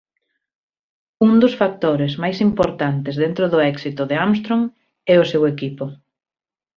Un dos factores máis importantes dentro do éxito de Armstrong é o seu equipo.